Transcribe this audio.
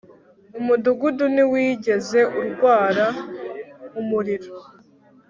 umudugudu ntiwigeze urwara umuriro